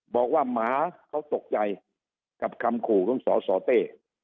หมาเขาตกใจกับคำขู่ของสสเต้